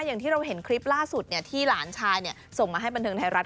อย่างที่เราเห็นคลิปล่าสุดที่หลานชายส่งมาให้บันเทิงไทยรัฐ